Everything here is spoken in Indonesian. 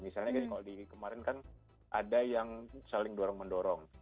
misalnya kalau di kemarin kan ada yang saling dorong mendorong